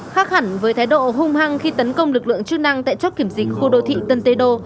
khác hẳn với thái độ hung hăng khi tấn công lực lượng chức năng tại chốt kiểm dịch khu đô thị tân tê đô